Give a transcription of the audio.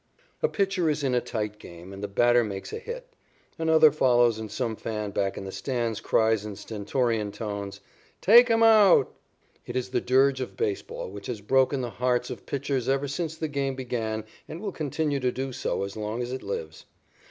_ A pitcher is in a tight game, and the batter makes a hit. Another follows and some fan back in the stand cries in stentorian tones: "Take him out!" It is the dirge of baseball which has broken the hearts of pitchers ever since the game began and will continue to do so as long as it lives.